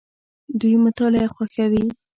دوی مطالعه خوښوي.